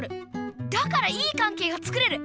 だからいい関係がつくれる！